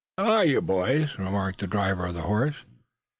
"How are you, boys?" remarked the driver of the horse.